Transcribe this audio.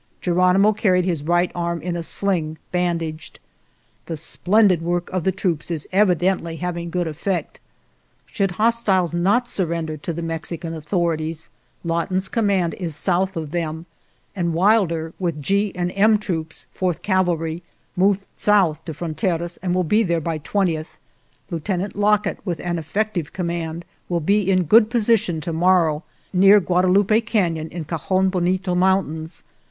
Geronimo carried his right arm in a sling, bandaged. The splendid work of the troops is evidently having good effect. 152 SURRENDER OF GERONIMO Should hostiles not surrender to the Mexican authorities, Lawton's command is south of them, and Wilder, with G and M troops, Fourth Cavalry, moved south to Fronteraz, and will be there by 20th. Lieutenant Lockett, with an effective command, will be in good position to morrow, near Guada lupe Canon, in Cajon Bonito Mountains.